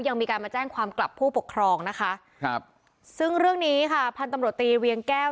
ยังมีการมาแจ้งความกลับผู้ปกครองนะคะครับซึ่งเรื่องนี้ค่ะพันธุ์ตำรวจตีเวียงแก้ว